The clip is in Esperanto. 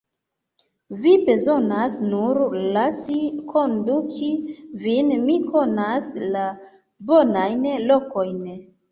Vi bezonos nur lasi konduki vin; mi konas la bonajn lokojn.